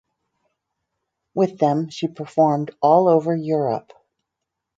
With them she performed all over Europe.